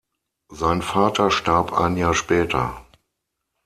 Sein Vater starb ein Jahr später.